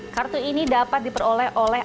kartu ini dapat diperoleh oleh